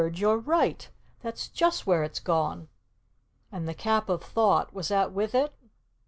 You're right! That's just where it's gone!" "And the Cap of Thought was that with it?"